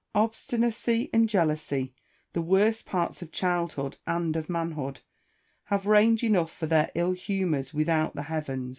Obstinacy and jealousy, the worst parts of childhood and of manhood, have range enough for their ill humours without the heavens.